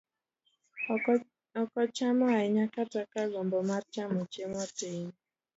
ok ochamo ahinya kata ka gombo mar chamo chiemo tin.